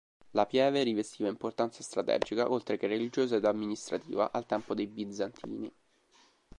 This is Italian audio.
La Pieve rivestiva importanza strategica, oltre che religiosa ed amministrativa, al tempo dei bizantini.